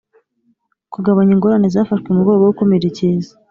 Kugabanya ingorane zafashwe mu rwego rwo gukumira icyiza